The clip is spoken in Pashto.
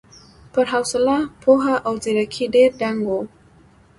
پر حوصله، پوهه او ځېرکۍ ډېر دنګ و.